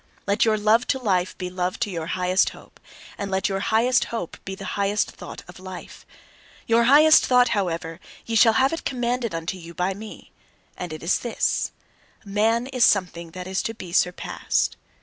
Let your love to life be love to your highest hope; and let your highest hope be the highest thought of life! Your highest thought, however, ye shall have it commanded unto you by me and it is this: man is something that is to be surpassed.